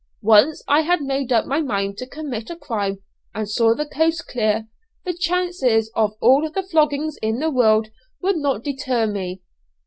Once I had made up my mind to commit a crime, and saw the coast clear, the chance of all the floggings in the world would not deter me.